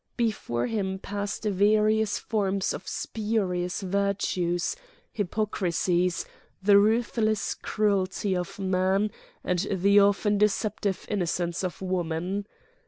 Before him passed various forms of spurious virtues, hypocrisies, Preface the ruthless cruelty of man and the often deceptive innocence of woman.